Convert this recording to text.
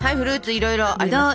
いろいろありますね。